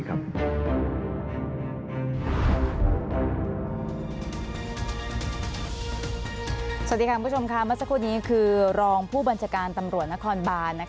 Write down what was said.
สวัสดีค่ะคุณผู้ชมค่ะเมื่อสักครู่นี้คือรองผู้บัญชาการตำรวจนครบาน